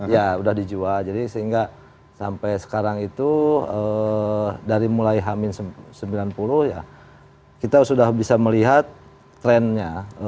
ya sudah dijual jadi sehingga sampai sekarang itu dari mulai hamin sembilan puluh ya kita sudah bisa melihat trennya